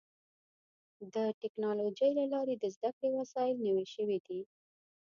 د ټکنالوجۍ له لارې د زدهکړې وسایل نوي شوي دي.